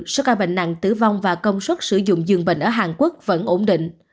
số ca bệnh nặng tử vong và công suất sử dụng dường bệnh ở hàn quốc vẫn ổn định